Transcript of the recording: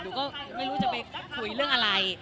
หนูก็ไม่รู้จะไปคุยเรื่องอะไร